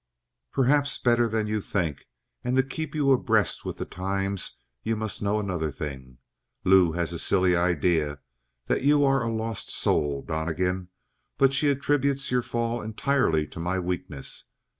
"Perhaps better than you think; and to keep you abreast with the times, you must know another thing. Lou has a silly idea that you are a lost soul, Donnegan, but she attributes your fall entirely to my weakness.